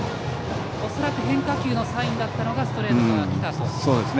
恐らく変化球のサインだったのにストレートが来たと。